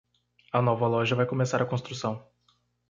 A nova loja vai começar a construção.